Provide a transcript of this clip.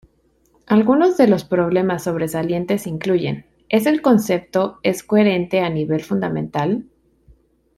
Algunos de los problemas sobresalientes incluyen: ¿es el concepto es coherente a nivel fundamental?